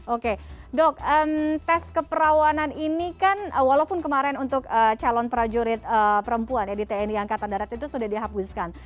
oke dok tes keperawanan ini kan walaupun kemarin untuk calon prajurit perempuan ya di tni angkatan darat itu sudah dihapuskan